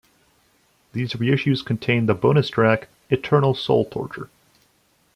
These reissues contains the bonus track "Eternal Soul Torture".